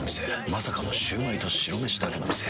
まさかのシュウマイと白めしだけの店。